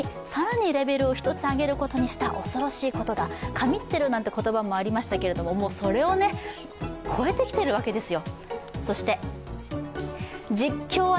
神ってるなんていう言葉もありましたけど、それを超えてきてるわけですよ。